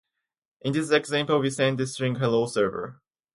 In this example, we send the string "Hello server!".